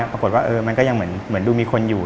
ปรากฏว่ามันก็ยังเหมือนดูมีคนอยู่